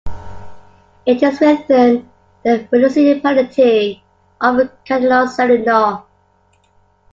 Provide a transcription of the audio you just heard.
It is within the municipality of Kantanos-Selino.